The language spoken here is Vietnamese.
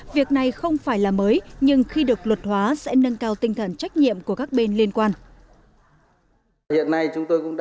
việc này không phải là mới nhưng khi được luật hóa sẽ nâng cao tinh thần trách nhiệm của các bên liên quan